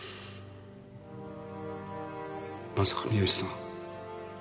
まさか三好さん。